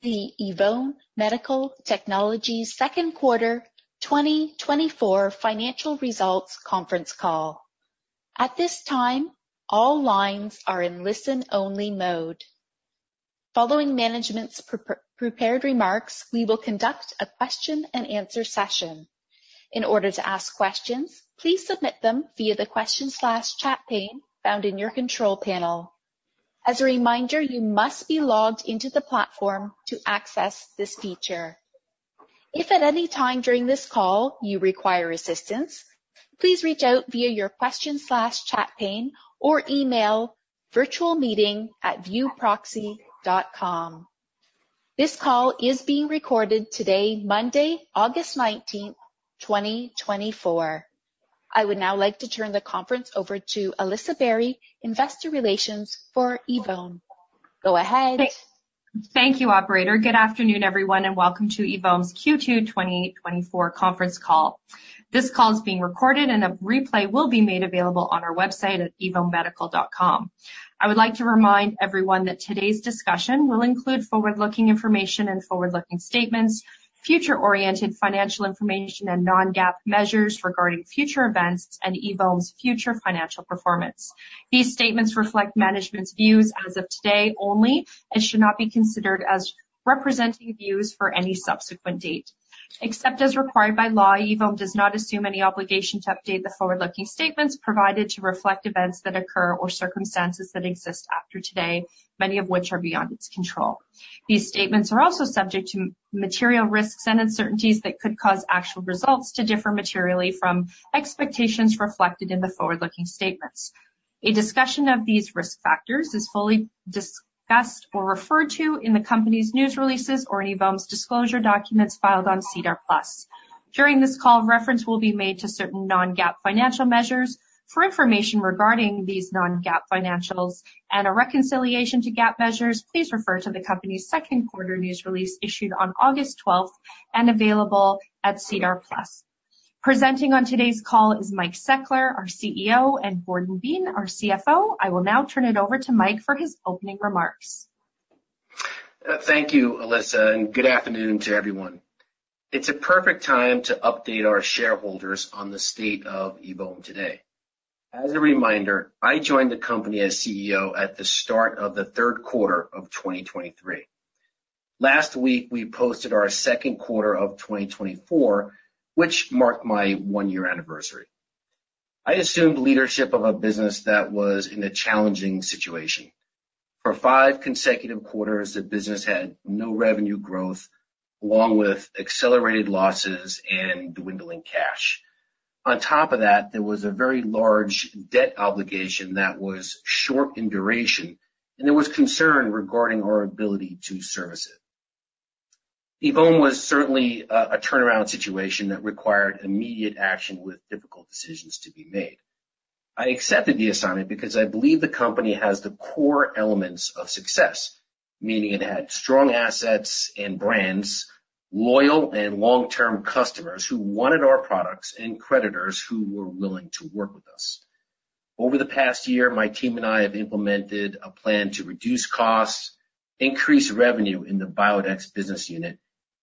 The Evome Medical Technologies Q2 2024 financial results conference call. At this time, all lines are in listen-only mode. Following management's prepared remarks, we will conduct a question-and-answer session. In order to ask questions, please submit them via the questions/chat pane found in your control panel. As a reminder, you must be logged into the platform to access this feature. If at any time during this call you require assistance, please reach out via your questions/chat pane or email virtualmeeting@viewproxy.com. This call is being recorded today, Monday, August 19, 2024. I would now like to turn the conference over to Alyssa Barry, Investor Relations for Evome. Go ahead. Thank you, operator. Good afternoon, everyone, and welcome to Evome's Q2 2024 conference call. This call is being recorded, and a replay will be made available on our website at evomemedical.com. I would like to remind everyone that today's discussion will include forward-looking information and forward-looking statements, future-oriented financial information, and non-GAAP measures regarding future events and Evome's future financial performance. These statements reflect management's views as of today only and should not be considered as representing views for any subsequent date. Except as required by law, Evome does not assume any obligation to update the forward-looking statements provided to reflect events that occur or circumstances that exist after today, many of which are beyond its control. These statements are also subject to material risks and uncertainties that could cause actual results to differ materially from expectations reflected in the forward-looking statements. A discussion of these risk factors is fully discussed or referred to in the company's news releases or in Evome's disclosure documents filed on SEDAR+. During this call, reference will be made to certain non-GAAP financial measures. For information regarding these non-GAAP financials and a reconciliation to GAAP measures, please refer to the company's Q2 news release issued on August 12, and available at SEDAR+. Presenting on today's call is Mike Seckler, our CEO, and Gordon Bean, our CFO. I will now turn it over to Mike for his opening remarks. Thank you, Alyssa, and good afternoon to everyone. It's a perfect time to update our shareholders on the state of Evome today. As a reminder, I joined the company as CEO at the start of the Q3 2023. Last week, we posted our 2024 which marked my one-year anniversary. I assumed leadership of a business that was in a challenging situation. For five consecutive quarters, the business had no revenue growth, along with accelerated losses and dwindling cash. On top of that, there was a very large debt obligation that was short in duration, and there was concern regarding our ability to service it. Evome was certainly a turnaround situation that required immediate action with difficult decisions to be made. I accepted the assignment because I believe the company has the core elements of success, meaning it had strong assets and brands, loyal and long-term customers who wanted our products, and creditors who were willing to work with us. Over the past year, my team and I have implemented a plan to reduce costs, increase revenue in the Biodex business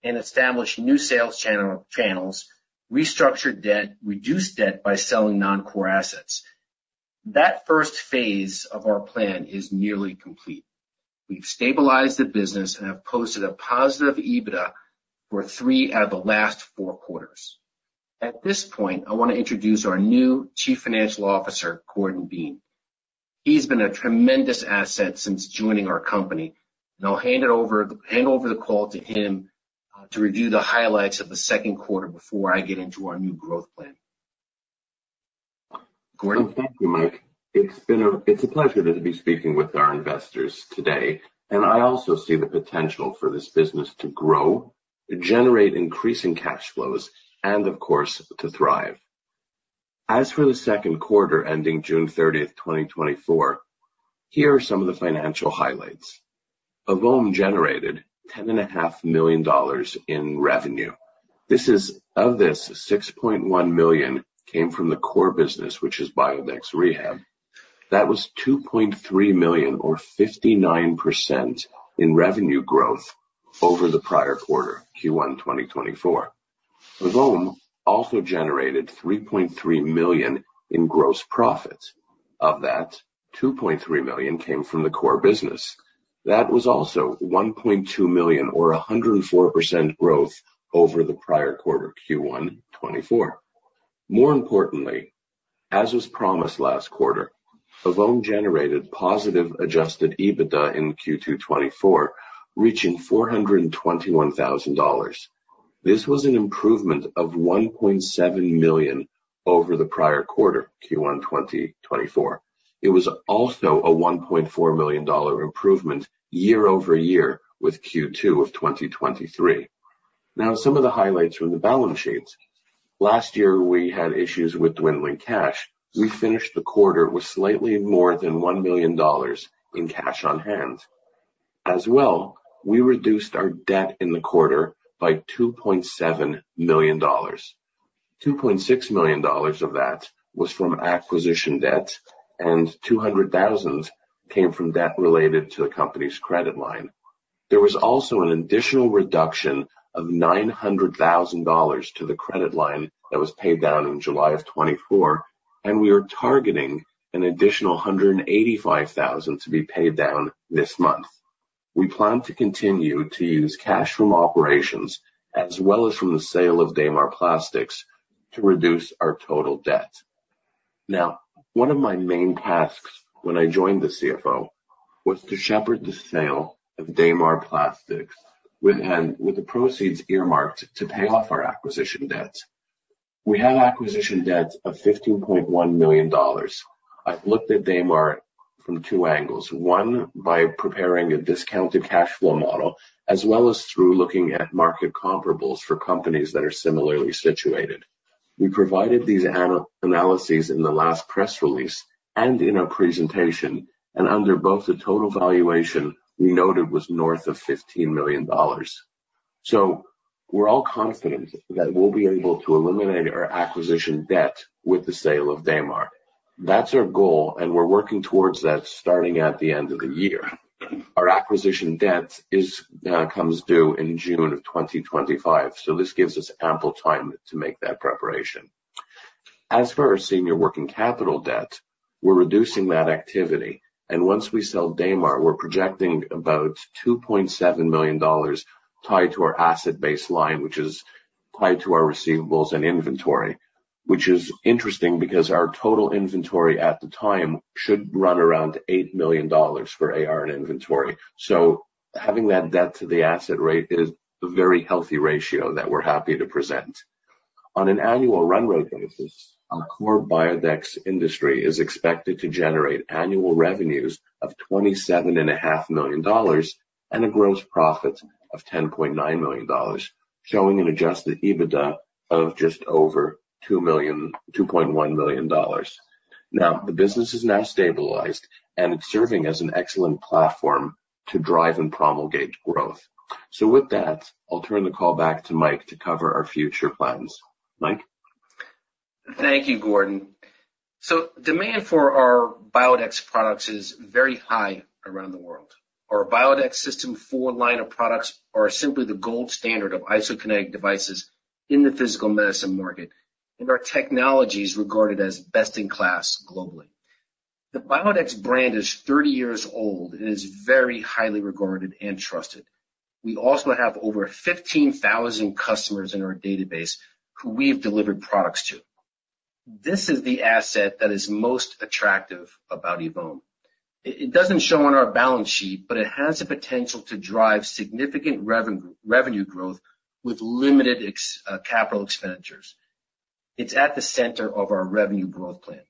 unit, and establish new sales channels, restructure debt, reduce debt by selling non-core assets. That first phase of our plan is nearly complete. We've stabilized the business and have posted a positive EBITDA for three out of the last four quarters. At this point, I want to introduce our new Chief Financial Officer, Gordon Bean. He's been a tremendous asset since joining our company, and I'll hand over the call to him to review the highlights of the Q2 before I get into our new growth plan. Gordon? Thank you, Mike. It's been a pleasure to be speaking with our investors today, and I also see the potential for this business to grow, generate increasing cash flows, and of course, to thrive. As for the Q2, ending June 30, 2024, here are some of the financial highlights. Evome generated $10.5 million in revenue. This is. Of this, $6.1 million came from the core business, which is Biodex Rehab. That was $2.3 million, or 59%, in revenue growth over the prior quarter, Q1 2024. Evome also generated $3.3 million in gross profit. Of that, $2.3 million came from the core business. That was also $1.2 million, or 104% growth, over the prior quarter, Q1 2024. More importantly, as was promised last quarter, Evome generated positive adjusted EBITDA in Q2 2024, reaching $421,000. This was an improvement of $1.7 million over the prior quarter, Q1 2024. It was also a $1.4 million improvement year over year with Q2 of 2023. Now, some of the highlights from the balance sheets. Last year, we had issues with dwindling cash. We finished the quarter with slightly more than $1 million in cash on hand. As well, we reduced our debt in the quarter by $2.7 million. $2.6 million of that was from acquisition debt, and $200,000 came from debt related to the company's credit line. There was also an additional reduction of $900,000 to the credit line that was paid down in July of 2024, and we are targeting an additional $185,000 to be paid down this month. We plan to continue to use cash from operations as well as from the sale of Damar Plastics to reduce our total debt. Now, one of my main tasks when I joined as CFO was to shepherd the sale of Damar Plastics, with the proceeds earmarked to pay off our acquisition debt. We have acquisition debt of $15.1 million. I've looked at Damar from two angles. One, by preparing a discounted cash flow model, as well as through looking at market comparables for companies that are similarly situated. We provided these analyses in the last press release and in our presentation, and under both, the total valuation we noted was north of $15 million. So we're all confident that we'll be able to eliminate our acquisition debt with the sale of Damar. That's our goal, and we're working towards that, starting at the end of the year. Our acquisition debt comes due in June of 2025, so this gives us ample time to make that preparation. As for our senior working capital debt, we're reducing that activity, and once we sell Damar, we're projecting about $2.7 million tied to our asset-based line, which is tied to our receivables and inventory. Which is interesting because our total inventory at the time should run around $8 million for AR and inventory. So having that debt to the asset rate is a very healthy ratio that we're happy to present. On an annual run rate basis, our core Biodex industry is expected to generate annual revenues of $27.5 million, and a gross profit of $10.9 million, showing an Adjusted EBITDA of just over $2 million, $2.1 million. Now, the business is now stabilized, and it's serving as an excellent platform to drive and promulgate growth. So with that, I'll turn the call back to Mike to cover our future plans. Mike? Thank you, Gordon. So demand for our Biodex products is very high around the world. Our Biodex System 4 line of products are simply the gold standard of isokinetic devices in the physical medicine market, and our technology is regarded as best-in-class globally. The Biodex brand is thirty years old and is very highly regarded and trusted. We also have over fifteen thousand customers in our database who we have delivered products to. This is the asset that is most attractive about Evome. It doesn't show on our balance sheet, but it has the potential to drive significant revenue growth with limited capital expenditures. It's at the center of our revenue growth plan.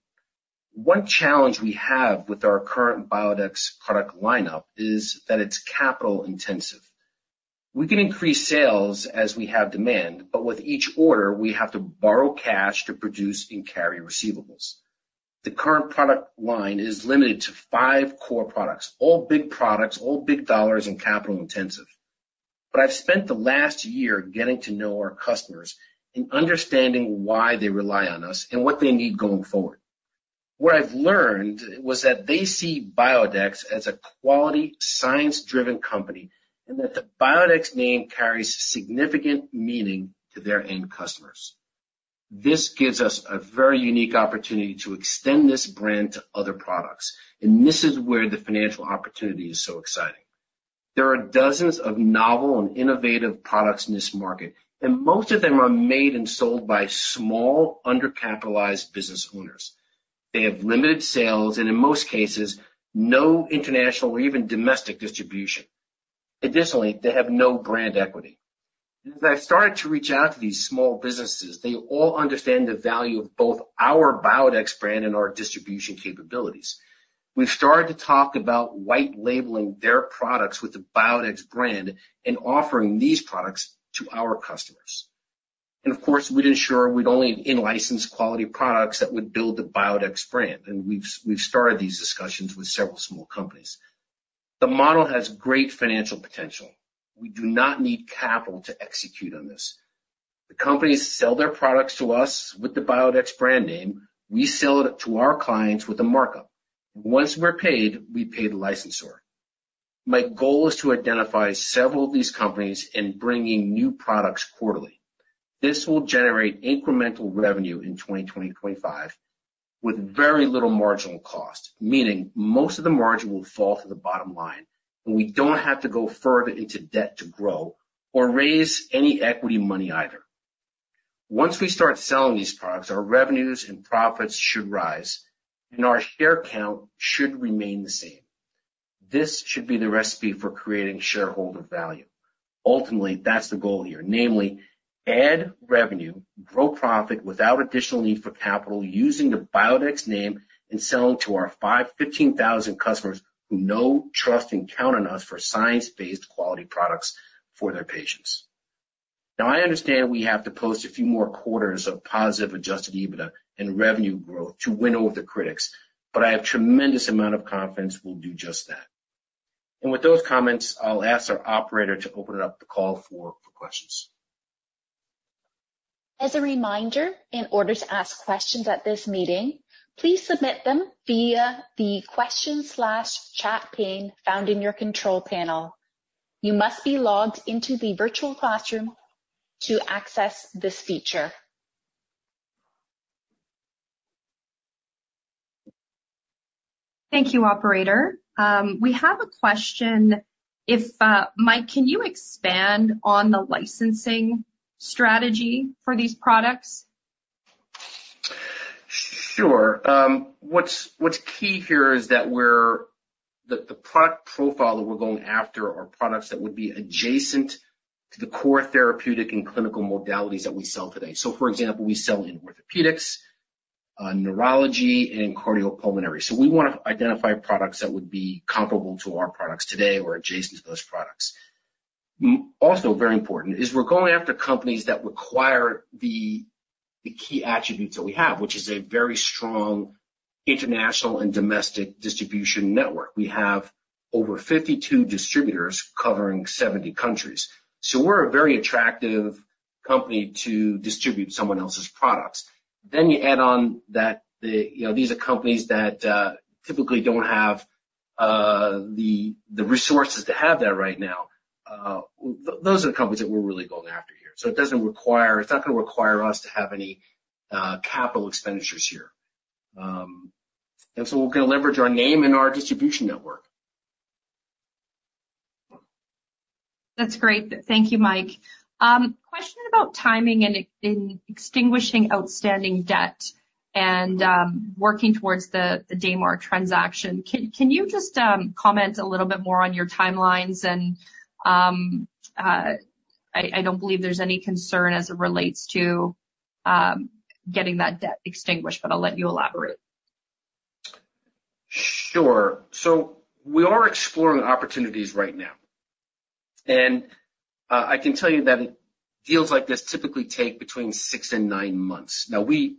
One challenge we have with our current Biodex product lineup is that it's capital intensive. We can increase sales as we have demand, but with each order, we have to borrow cash to produce and carry receivables. The current product line is limited to five core products, all big products, all big dollars and capital intensive. But I've spent the last year getting to know our customers and understanding why they rely on us and what they need going forward. What I've learned was that they see Biodex as a quality, science-driven company, and that the Biodex name carries significant meaning to their end customers. This gives us a very unique opportunity to extend this brand to other products, and this is where the financial opportunity is so exciting. There are dozens of novel and innovative products in this market, and most of them are made and sold by small, undercapitalized business owners. They have limited sales, and in most cases, no international or even domestic distribution. Additionally, they have no brand equity. As I started to reach out to these small businesses, they all understand the value of both our Biodex brand and our distribution capabilities. We've started to talk about white labeling their products with the Biodex brand and offering these products to our customers. And of course, we'd ensure we'd only in-license quality products that would build the Biodex brand, and we've started these discussions with several small companies. The model has great financial potential. We do not need capital to execute on this. The companies sell their products to us with the Biodex brand name. We sell it to our clients with a markup. Once we're paid, we pay the licensor. My goal is to identify several of these companies in bringing new products quarterly. This will generate incremental revenue in 2025 with very little marginal cost, meaning most of the margin will fall to the bottom line, and we don't have to go further into debt to grow or raise any equity money either. Once we start selling these products, our revenues and profits should rise, and our share count should remain the same. This should be the recipe for creating shareholder value. Ultimately, that's the goal here. Namely, add revenue, grow profit without additional need for capital, using the Biodex name and selling to our 5000-15000 customers who know, trust, and count on us for science-based quality products for their patients. Now, I understand we have to post a few more quarters of positive, Adjusted EBITDA and revenue growth to win over the critics, but I have tremendous amount of confidence we'll do just that.... and with those comments, I'll ask our operator to open up the call for questions. As a reminder, in order to ask questions at this meeting, please submit them via the question/chat pane found in your control panel. You must be logged into the virtual classroom to access this feature. Thank you, operator. We have a question. Mike, can you expand on the licensing strategy for these products? Sure. What's key here is that the product profile that we're going after are products that would be adjacent to the core therapeutic and clinical modalities that we sell today. So for example, we sell in orthopedics, neurology, and cardiopulmonary. So we wanna identify products that would be comparable to our products today or adjacent to those products. Also very important is we're going after companies that require the key attributes that we have, which is a very strong international and domestic distribution network. We have over 52 distributors covering 70 countries. So we're a very attractive company to distribute someone else's products. Then you add on that, you know, these are companies that typically don't have the resources to have that right now. Those are the companies that we're really going after here. So it doesn't require, it's not gonna require us to have any capital expenditures here. And so we're gonna leverage our name and our distribution network. That's great. Thank you, Mike. Question about timing and in extinguishing outstanding debt and working towards the Damar transaction. Can you just comment a little bit more on your timelines? I don't believe there's any concern as it relates to getting that debt extinguished, but I'll let you elaborate. Sure. So we are exploring opportunities right now, and I can tell you that deals like this typically take between six and nine months. Now, we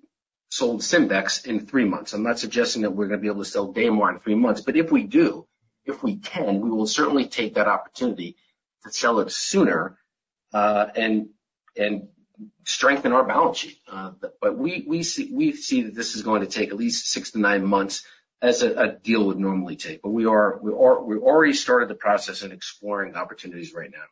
sold Simbex in three months. I'm not suggesting that we're gonna be able to sell Damar in three months, but if we do, if we can, we will certainly take that opportunity to sell it sooner, and strengthen our balance sheet. But we see that this is going to take at least six to nine months as a deal would normally take. But we already started the process in exploring the opportunities right now.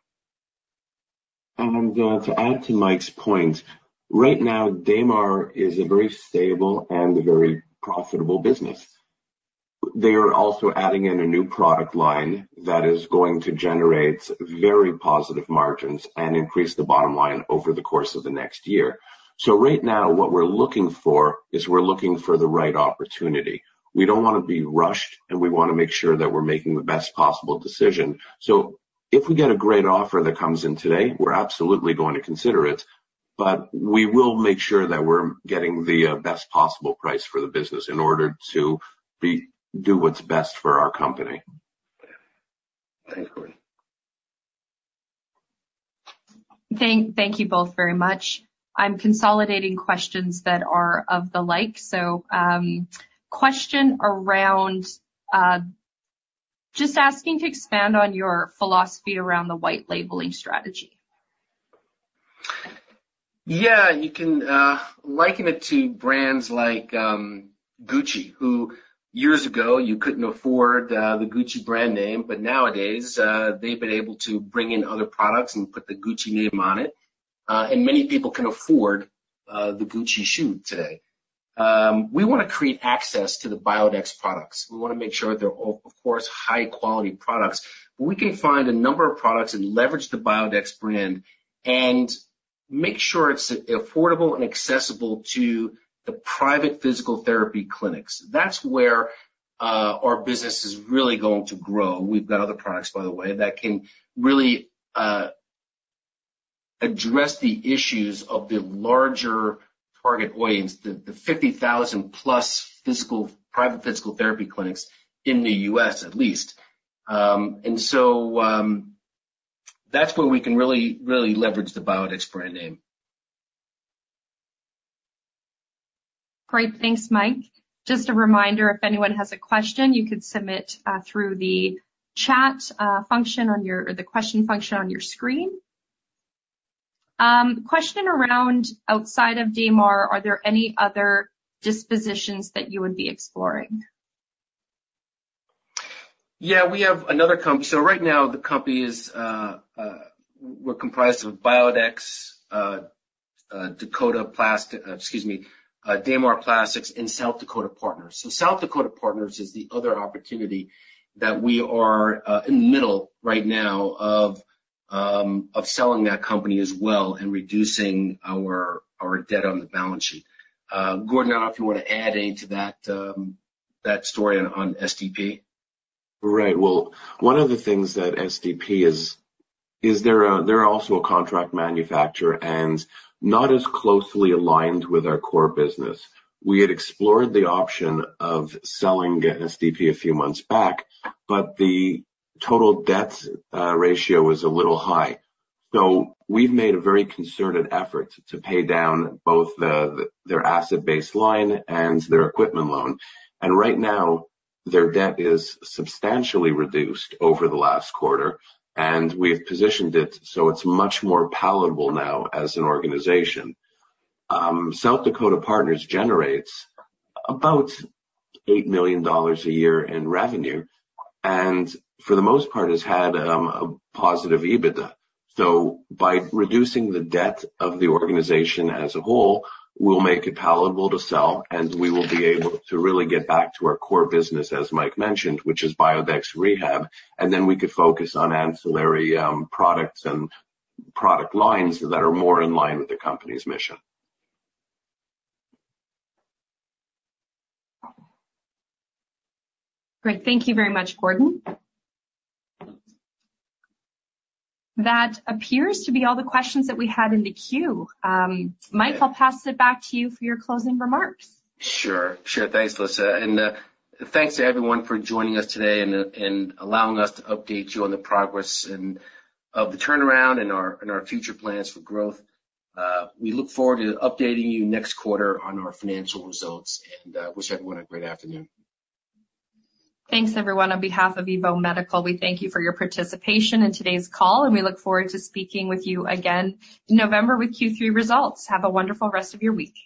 And, to add to Mike's point, right now, Damar is a very stable and a very profitable business. They are also adding in a new product line that is going to generate very positive margins and increase the bottom line over the course of the next year. So right now, what we're looking for, is we're looking for the right opportunity. We don't wanna be rushed, and we wanna make sure that we're making the best possible decision. So if we get a great offer that comes in today, we're absolutely going to consider it, but we will make sure that we're getting the best possible price for the business in order to do what's best for our company. Thanks, Gordon. Thank you both very much. I'm consolidating questions that are of the like. So, question around, just asking to expand on your philosophy around the white labeling strategy. Yeah, you can liken it to brands like Gucci, who years ago, you couldn't afford the Gucci brand name, but nowadays, they've been able to bring in other products and put the Gucci name on it and many people can afford the Gucci shoe today. We wanna create access to the Biodex products. We wanna make sure they're of course high-quality products. We can find a number of products and leverage the Biodex brand and make sure it's affordable and accessible to the private physical therapy clinics. That's where our business is really going to grow. We've got other products, by the way, that can really address the issues of the larger target audience, the 50,000+ private physical therapy clinics in the U.S., at least. And so, that's where we can really, really leverage the Biodex brand name. Great. Thanks, Mike. Just a reminder, if anyone has a question, you could submit through the chat function on your or the question function on your screen. Question around, outside of Damar, are there any other dispositions that you would be exploring? Yeah, we have another. So right now, the company is, we're comprised of Biodex, Dakota Plastic- excuse me, Damar Plastics, and South Dakota Partners. So South Dakota Partners is the other opportunity that we are in the middle right now of selling that company as well and reducing our debt on the balance sheet. Gordon, I don't know if you want to add anything to that story on SDP? Right. Well, one of the things that SDP is, they're also a contract manufacturer and not as closely aligned with our core business. We had explored the option of selling SDP a few months back, but the total debt ratio was a little high. So we've made a very concerted effort to pay down both their asset-based line and their equipment loan. And right now, their debt is substantially reduced over the last quarter, and we've positioned it so it's much more palatable now as an organization. South Dakota Partners generates about $8 million a year in revenue, and for the most part, has had a positive EBITDA. By reducing the debt of the organization as a whole, we'll make it palatable to sell, and we will be able to really get back to our core business, as Mike mentioned, which is Biodex Rehab, and then we could focus on ancillary products and product lines that are more in line with the company's mission. Great. Thank you very much, Gordon. That appears to be all the questions that we had in the queue. Mike, I'll pass it back to you for your closing remarks. Sure. Sure. Thanks, Alyssa, and thanks to everyone for joining us today and allowing us to update you on the progress and of the turnaround and our future plans for growth. We look forward to updating you next quarter on our financial results, and wish everyone a great afternoon. Thanks, everyone. On behalf of Evome Medical, we thank you for your participation in today's call, and we look forward to speaking with you again in November with Q3 results. Have a wonderful rest of your week.